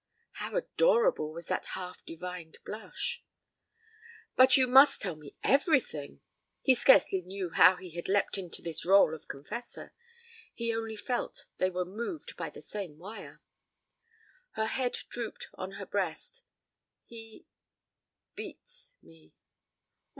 How adorable was that half divined blush! 'But you must tell me everything.' He scarcely knew how he had leapt into this role of confessor. He only felt they were 'moved by the same wire'. Her head drooped on her breast. 'He beats me.'